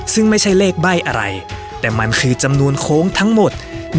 ซึ่งไม่ใช่เลขใบ้อะไรแต่มันคือจำนวนโค้งทั้งหมด